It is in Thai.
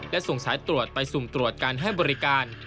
และส่งสายตรวจไปสุ่มตรวจการให้บริการ